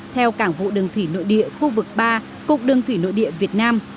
theo cảng vụ đường thủy nội địa khu vực ba cục đường thủy nội địa việt nam